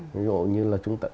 ví dụ như là